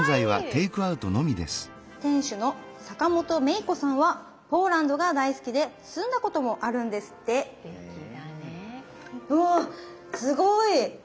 店主の坂元萌衣子さんはポーランドが大好きで住んだこともあるんですってうわすごい！